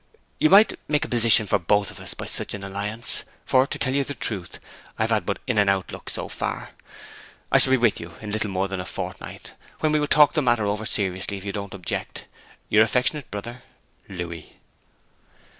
You might make a position for us both by some such alliance; for, to tell the truth, I have had but in and out luck so far. I shall be with you in little more than a fortnight, when we will talk over the matter seriously, if you don't object. Your affectionate brother, LOUIS.'